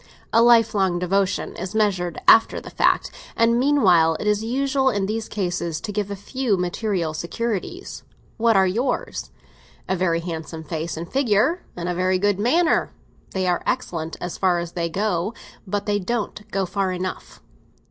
A lifelong devotion is measured after the fact; and meanwhile it is customary in these cases to give a few material securities. What are yours? A very handsome face and figure, and a very good manner. They are excellent as far as they go, but they don't go far enough."